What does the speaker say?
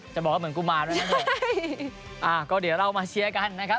จะบอกว่าเหมือนกุมารด้วยนะเถอะอ่าก็เดี๋ยวเรามาเชียร์กันนะครับ